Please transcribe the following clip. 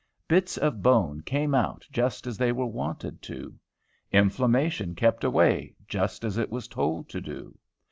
Bits of bone came out just as they were wanted to. Inflammation kept away just as it was told to do.